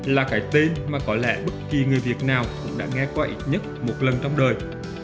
là cái tên mà có lẽ bất kỳ người việt nào cũng đã nghe qua ít nhất một lần trong đời